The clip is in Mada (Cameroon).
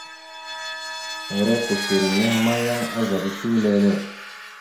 Ere kousseri nehe ma, yan azaɗ etew dik lele.